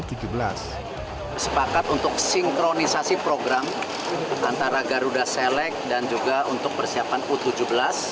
sepakat untuk sinkronisasi program antara garuda select dan juga untuk persiapan u tujuh belas